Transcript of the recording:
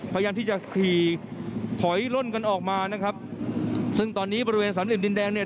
พยายามที่จะขี่ถอยล่นกันออกมานะครับซึ่งตอนนี้บริเวณสามเหลี่ยดินแดงเนี่ย